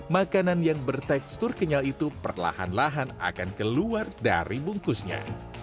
makanan yang bertekstur kenyal itu perlahan lahan akan keluar dari bungkusnya